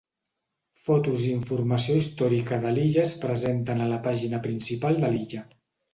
Fotos i informació històrica de l'illa es presenten a la pàgina principal de l'illa.